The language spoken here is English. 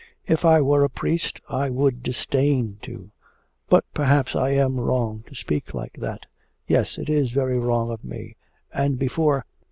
If I were a priest I would disdain to... but perhaps I am wrong to speak like that. Yes, it is very wrong of me, and before...